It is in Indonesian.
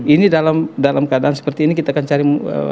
ini dalam dalam keadaan seperti ini kita akan cari